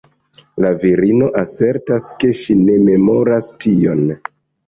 La virino asertas ke ŝi ne memoras tion.